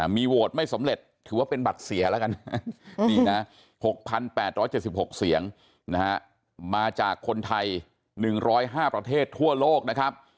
มีโหวตไม่สำเร็จถือว่าเป็นบัตรเสียแล้วกัน๖๘๗๖เสียงมาจากคนไทย๑๐๕ประเทศทั่วโลกนะครับ